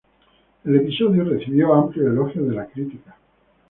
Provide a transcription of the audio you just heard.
El episodio recibió amplios elogios de la crítica.